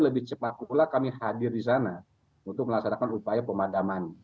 lebih cepat pula kami hadir di sana untuk melaksanakan upaya pemadaman